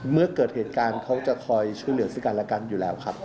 เมื่อเกิดเหตุการณ์เขาจะคอยช่วยเหลือซึ่งกันและกันอยู่แล้วครับ